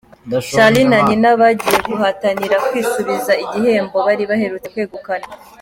Charly na Nina bagiye guhatanira kwisubiza igihembo bari baherutse kwegukana.